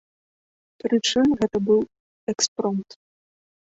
Прычым, гэта быў экспромт.